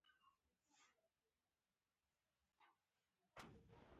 چرته چې هغوي د ريډيؤ کابل